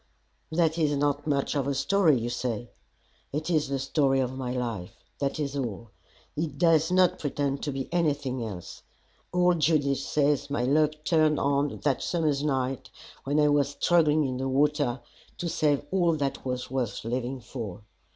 That is not much of a story, you say. It is the story of my life. That is all. It does not pretend to be anything else. Old Judith says my luck turned on that summer's night when I was struggling in the water to save all that was worth living for.